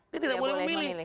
dia tidak boleh memilih